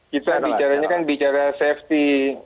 kita bicaranya kan bicara safety